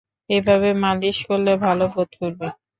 এভাবে মালিশ করলে ভালো বোধ করবে।